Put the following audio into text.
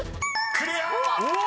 ［クリア！］